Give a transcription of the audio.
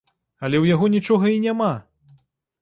Але ў яго нічога і няма!